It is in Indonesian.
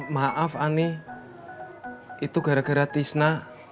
maaf ani itu gara gara tisna